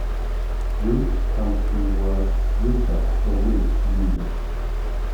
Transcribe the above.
Rute comes from the word "Ruta" or "Route" in English.